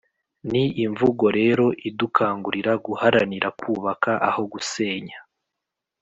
ni imvugo rero idukangurira guharanira kubaka aho gusenya